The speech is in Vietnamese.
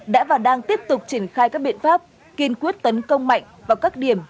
đã và đang tiếp tục triển khai các biện pháp kiên quyết tấn công mạnh vào các điểm